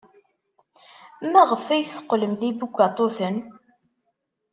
Maɣef ay teqqlem d ibugaṭuten?